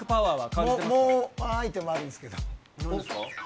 もうワンアイテムあるんですけど。